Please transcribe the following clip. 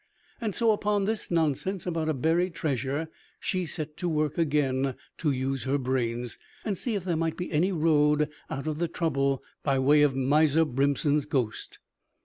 And so, upon this nonsense about a buried treasure she set to work again to use her brains, and see if there might be any road out of the trouble by way of Miser Brimpson's ghost.